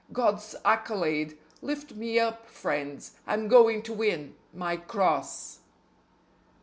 ... God's accolade! Lift me up, friends. I'm going to win _MY CROSS.